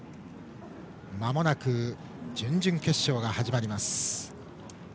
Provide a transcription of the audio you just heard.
まもなく準々決勝が始まります。